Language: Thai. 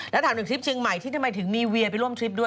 แล้วถามหนึ่งทริปเชียงใหม่ที่ทำไมถึงมีเวียไปร่วมทริปด้วย